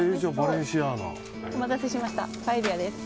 お待たせしましたパエリアです。